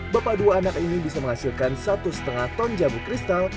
bapak dua anak ini bisa menghasilkan satu lima ton jamu kristal